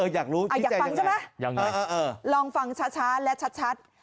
อยากรู้อยากฟังใช่ไหมลองฟังช้าและชัด